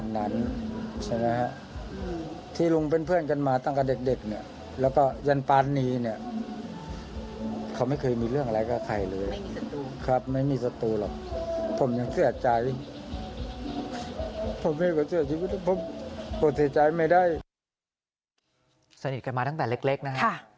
สนิทกันมาตั้งแต่เล็กนะฮะ